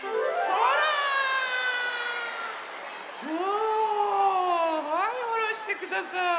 おはいおろしてください。